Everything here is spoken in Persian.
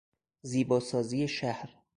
زیبا سازی شهر